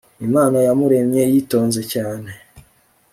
imana yamuremye yitonze cyane